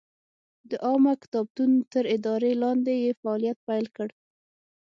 د عامه کتابتون تر ادارې لاندې یې فعالیت پیل کړ.